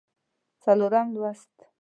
څلورم لوست